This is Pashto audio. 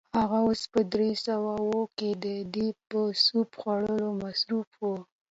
هغه اوس په درې سوه اووه کې دی، دی په سوپ خوړلو مصروف و.